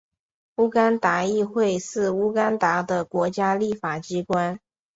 乌干达议会是乌干达的国家立法机关。